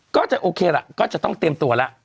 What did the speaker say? ก็จะโอเคละก็จะต้องเตรียมตัวแล้ว